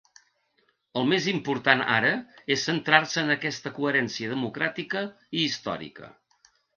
El més important ara és centrar-se en aquesta coherència democràtica i històrica.